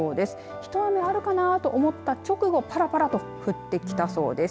ひと雨あるかなと思った直後、ぱらぱらと降ってきたそうです。